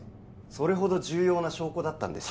それほど重要な証拠だったんです